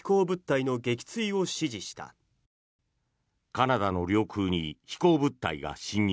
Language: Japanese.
カナダの領空に飛行物体が侵入。